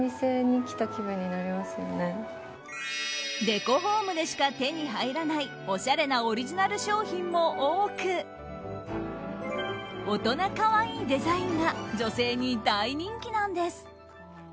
デコホームでしか手に入らないおしゃれなオリジナル商品も多く大人可愛いデザインが女性に大人気なんです。